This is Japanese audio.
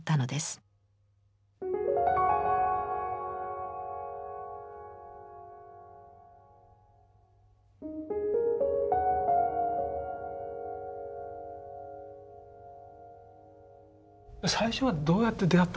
最初はどうやって出会ったんですか？